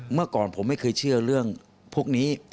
เมื่อก่อนผมไม่เคยเชื่อเรื่องพวกนี้